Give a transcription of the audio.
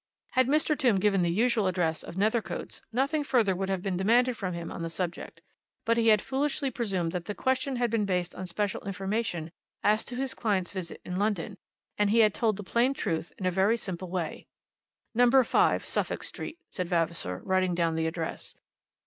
Had Mr. Tombe given the usual address of Nethercoats, nothing further would have been demanded from him on that subject. But he had foolishly presumed that the question had been based on special information as to his client's visit to London, and he had told the plain truth in a very simple way. "Number 5, Suffolk Street," said Vavasor, writing down the address.